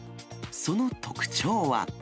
その特徴は。